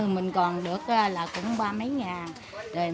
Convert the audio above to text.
mình còn được là cũng ba mấy ngàn